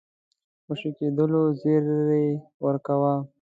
خوشي کېدلو زېری ورکاوه.